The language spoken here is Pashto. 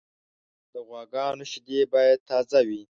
د غواګانو شیدې باید تازه وي.